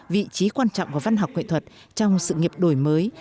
vị trí quan trọng của văn học nghệ thuật trong sự nghiệp đổi mới